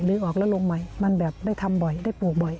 ออกแล้วลงใหม่มันแบบได้ทำบ่อยได้ปลูกบ่อย